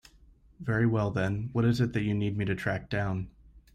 Very well then, what is it that you need me to track down?